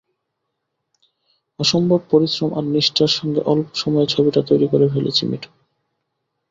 অসম্ভব পরিশ্রম আর নিষ্ঠার সঙ্গে অল্প সময়ে ছবিটা তৈরি করে ফেলেছে মিঠু।